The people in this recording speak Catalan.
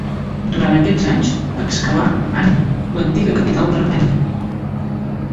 Durant aquests anys excavà Ani, l'antiga capital d'Armènia.